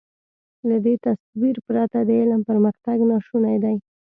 له دې تصور پرته د علم پرمختګ ناشونی دی.